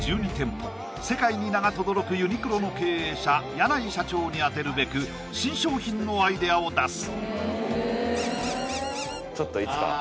世界に名が轟くユニクロの経営者柳井社長に当てるべく新商品のアイデアを出す！